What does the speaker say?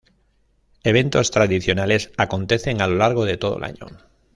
Eventos tradicionales acontecen a lo largo de todo el año.